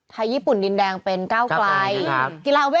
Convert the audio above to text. ไทยญี่ปุ่นดินแดงเป็น๙ไกล